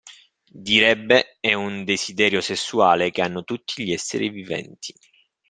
Direbbe è un desiderio sessuale che hanno tutti gli esseri viventi.